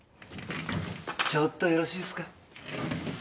ちょっとよろしいっすか？